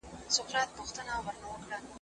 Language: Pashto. ملا بانګ وویل چې زه ستړی یم.